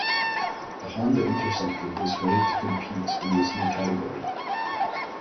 The Honda Interceptor was ready to compete in this new category.